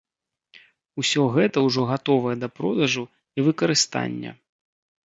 Усё гэта ўжо гатовае да продажу і выкарыстання.